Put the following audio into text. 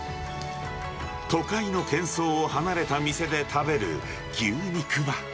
都会のけん騒を離れた店で食べる牛肉は。